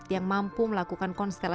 yang mampu melakukan konstelasi